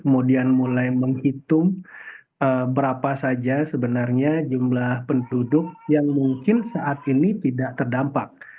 kemudian mulai menghitung berapa saja sebenarnya jumlah penduduk yang mungkin saat ini tidak terdampak